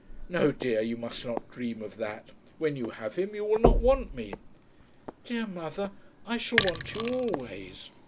"No, dear, you must not dream of that. When you have him you will not want me." "Dear mother. I shall want you always."